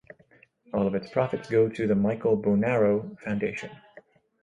All of its profits go to the Michael Buonauro Foundation.